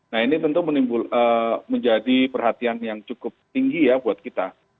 nah ini tentu menjadi perhatian yang cukup tinggi ya buat kita